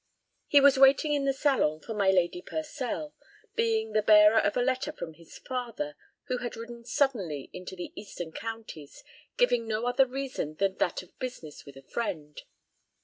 He was waiting in the salon for my Lady Purcell, being the bearer of a letter from his father, who had ridden suddenly into the eastern counties, giving no other reason than that of business with a friend.